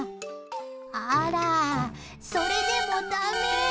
あら、それでもだめ。